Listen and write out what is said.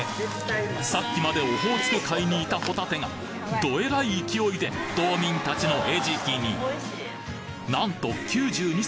さっきまでオホーツク海にいたホタテがどえらい勢いで道民たちの餌食になんと９２歳だというおじいちゃまも